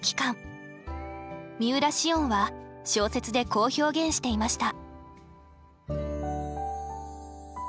三浦しをんは小説でこう表現していました。